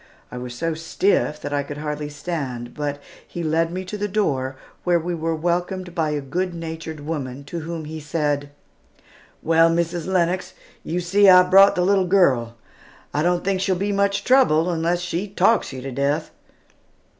I was so stiff that I could hardly stand, but he led me to the door where we were welcomed by a good natured woman, to whom he said, "Well, Mrs. Lennox, you see I've brought the little girl. I don't think she'll be much trouble, unless she talks you to death."